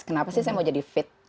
kenapa sih saya mau jadi fit